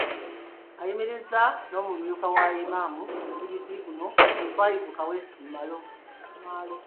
Ayimirizza n'omumyuka wa Imam ku muzikiti guno, Twaibu Kaweesi Maalo.